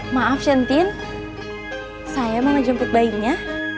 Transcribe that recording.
maaf shentin saya mau jemput bayinya